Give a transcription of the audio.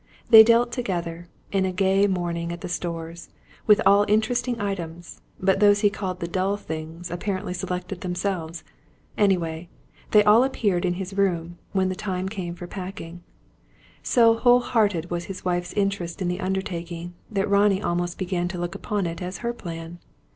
They dealt together, in a gay morning at the Stores, with all interesting items, but those he called "the dull things" apparently selected themselves. Anyway, they all appeared in his room, when the time came for packing. So whole hearted was his wife's interest in the undertaking, that Ronnie almost began to look upon it as her plan.